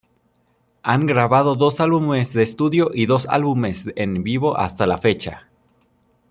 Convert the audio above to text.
Han grabado dos álbumes de estudio y dos álbumes en vivo hasta la fecha.